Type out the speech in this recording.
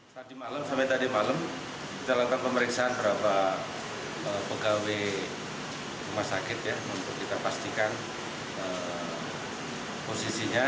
sampai tadi malam kita lakukan pemeriksaan beberapa pegawai rumah sakit untuk kita pastikan posisinya